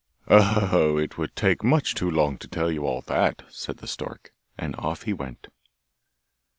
'Oh! it would take much too long to tell you all that,' said the stork, and off he went.